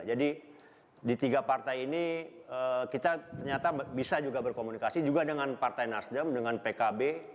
jadi di tiga partai ini kita ternyata bisa juga berkomunikasi juga dengan partai nasdem dengan pkb